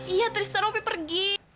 iya tristan opi pergi